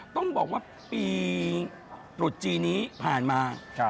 ต้องบอกว่าปีตรุษจีนนี้ผ่านมา